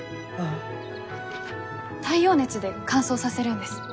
太陽熱で乾燥させるんです。